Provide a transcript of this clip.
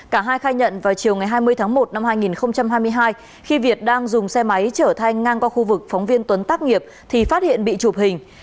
cả hai khai nhận vào chiều ngày hai mươi tháng một năm hai nghìn hai mươi hai khi việt đang dùng xe máy chở thanh ngang qua khu vực phóng viên tuấn tác nghiệp thì phát hiện bị chụp hình